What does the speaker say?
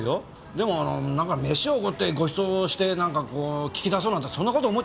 でもあのなんか飯をおごってごちそうしてなんかこう聞き出そうなんてそんな事思っちゃいないんだから。